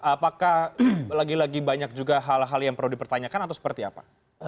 apakah lagi lagi banyak juga hal hal yang perlu dipertanyakan atau seperti apa